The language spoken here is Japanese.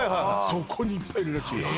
そこにいっぱいいるらしいよは